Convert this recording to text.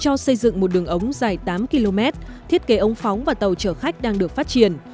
cho xây dựng một đường ống dài tám km thiết kế ống phóng và tàu chở khách đang được phát triển